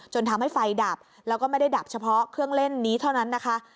ทำให้ไฟดับแล้วก็ไม่ได้ดับเฉพาะเครื่องเล่นนี้เท่านั้นนะคะ